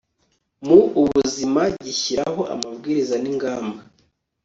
mu ubuzima gishyiraho amabwiriza n ingamba